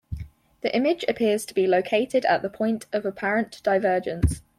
The image appears to be located at the point of apparent divergence.